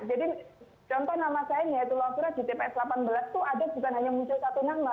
jadi contoh nama saya nih ya itu lalu di tps delapan belas itu ada bukan hanya muncul satu nama